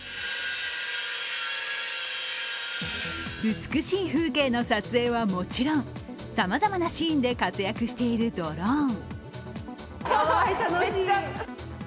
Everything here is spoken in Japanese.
美しい風景の撮影はもちろんさまざまなシーンで活躍しているドローン。